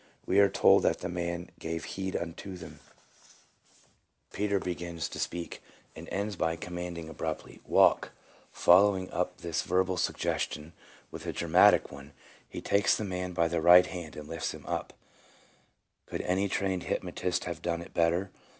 We are told that the man gave heed unto them. 1 John, iii. 8. 2 Acts, iii. 1 10. 316 PSYCHOLOGY OF ALCOHOLISM. Peter begins to speak, and ends by commanding abruptly, " Walk." Following up this verbal sug gestion with a dramatic one, he takes the man by the right hand and lifts him up. Could any trained hypnotist have done it better?